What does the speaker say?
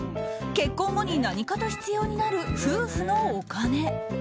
結婚後に何かと必要になる夫婦のお金。